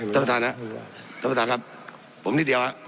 ท่านประธานะท่านประธานครับผมนิดเดียวอ่ะ